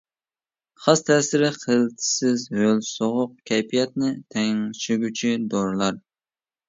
خاس تەسىرى خىلىتسىز ھۆل سوغۇق كەيپىياتنى تەڭشىگۈچى دورىلار.